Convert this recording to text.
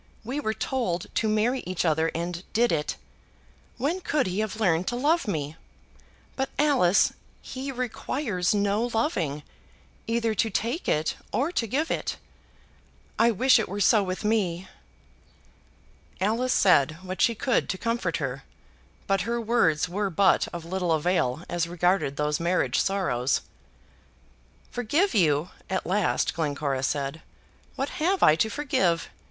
We were told to marry each other and did it. When could he have learned to love me? But, Alice, he requires no loving, either to take it or to give it. I wish it were so with me." Alice said what she could to comfort her, but her words were but of little avail as regarded those marriage sorrows. "Forgive you!" at last Glencora said. "What have I to forgive?